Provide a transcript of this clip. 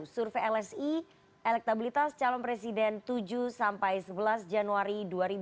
survei lsi elektabilitas calon presiden tujuh sampai sebelas januari dua ribu dua puluh